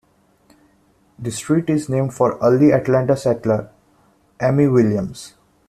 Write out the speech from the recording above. The street is named for early Atlanta settler Ammi Williams.